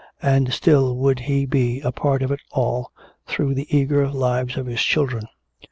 And still would he be a part of it all, through the eager lives of his children.